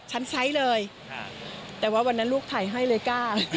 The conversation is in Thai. ใช้เลยแต่ว่าวันนั้นลูกถ่ายให้เลยกล้า